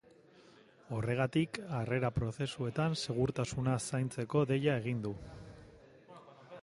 Horregatik, harrera prozesuetan segurtasuna zaintzeko deia egin du.